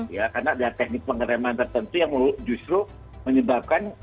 ya karena ada teknik pengereman tertentu yang justru menyebabkan